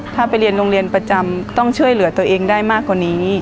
ถ้าไปเรียนโรงเรียนประจำต้องช่วยเหลือตัวเองได้มากกว่านี้